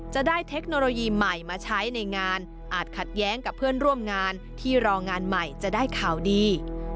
เทคโนโลยีใหม่มาใช้ในงานอาจขัดแย้งกับเพื่อนร่วมงานที่รองานใหม่จะได้ข่าวดี